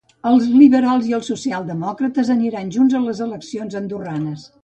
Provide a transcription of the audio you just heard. Els liberals i els socialdemòcrates aniran junts a les eleccions andorranes.